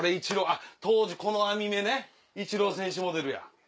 あっ当時この網目ねイチロー選手モデルや。